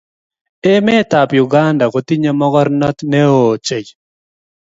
Emet ab Uganda kotinye mokornote ne oo ochei.